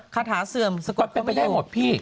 คาถาเสื่อมสะกดเขาไม่อยู่